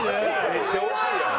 めっちゃ惜しいやん。